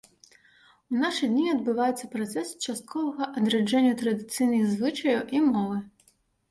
У нашы дні адбываецца працэс частковага адраджэння традыцыйных звычаяў і мовы.